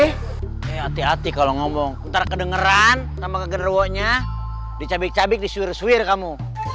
eh hati hati kalo ngomong ntar kedengeran sama genderwonya dicabik cabik disuir suir kamu